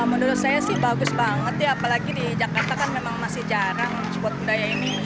menurut saya sih bagus banget ya apalagi di jakarta kan memang masih jarang buat budaya ini